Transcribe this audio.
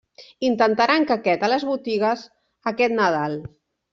Intentaran que aquest a les botigues aquest nadal.